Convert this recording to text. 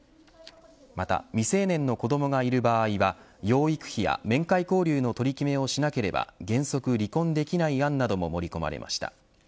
また未成年の子どもがいる場合は養育費や面会交流の取り決めをしなければ原則離婚できない案なども盛り込まれました。